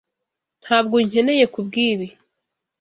Ntabwo unkeneye kubwibi.